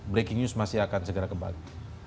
breaking news masih akan segera kembali